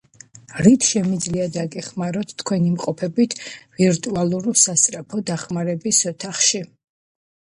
რით შემიძლია დაგეხმაროთ? თქვენ იმყოფებით ვირტუალურ სასწრაფო დახმარების ოთახში.